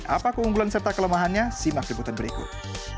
apa keunggulan serta kelemahannya simak di putar berikut